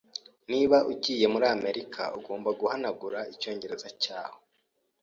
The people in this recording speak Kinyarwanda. Niba ugiye muri Amerika, ugomba guhanagura icyongereza cyawe.